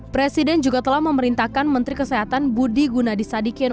presiden juga telah memerintahkan menteri kesehatan budi gunadisadikin